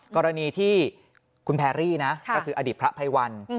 กรณีที่คุณแพรรี่นะก็คืออดีตพระภัยวัน